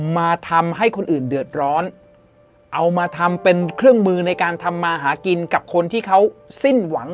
มาทำให้คนอื่นเดือดร้อนเอามาทำเป็นเครื่องมือในการทำมาหากินกับคนที่เขาสิ้นหวัง